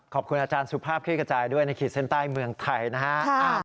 ขอบคุณอาจารย์สุภาพคลิกกระจายด้วยในขีดเส้นใต้เมืองไทยนะฮะ